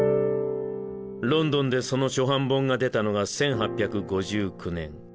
ロンドンでその初版本が出たのが１８５９年。